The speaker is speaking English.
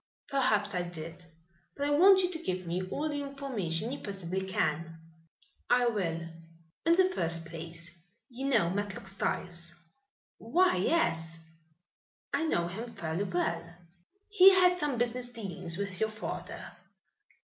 "Perhaps I did. But I want you to give me all the information you possibly can." "I will." "In the first place, you know Matlock Styles." "Why, yes, I know him fairly well." "He had some business dealings with your father."